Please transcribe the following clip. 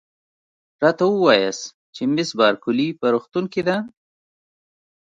راته ووایاست چي مس بارکلي په روغتون کې ده؟